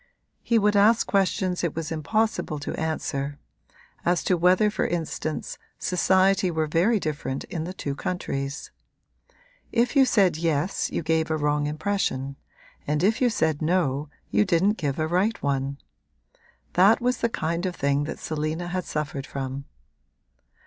He would ask questions it was impossible to answer; as to whether for instance society were very different in the two countries. If you said yes you gave a wrong impression and if you said no you didn't give a right one: that was the kind of thing that Selina had suffered from.